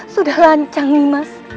sudah lancang nih mas